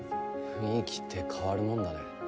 雰囲気って変わるもんだね。